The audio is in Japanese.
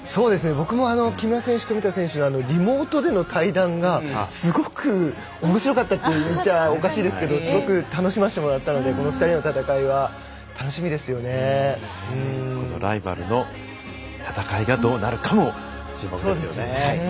僕も木村選手、富田選手リモートでの対談がすごく面白かったと言ったらおかしいですがすごく楽しませてもらったのでこの２人の戦いはライバルの戦いがどうなるかも注目ですよね。